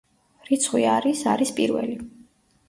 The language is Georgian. რიცხვი არის არის პირველი.